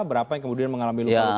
berapa yang kemudian mengalami luka luka